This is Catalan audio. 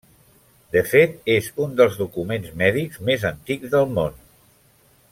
De fet, és un dels documents mèdics més antics del món.